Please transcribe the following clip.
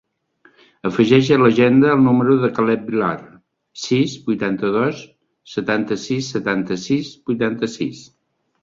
Afegeix a l'agenda el número del Caleb Vilar: sis, vuitanta-dos, setanta-sis, setanta-sis, vuitanta-sis.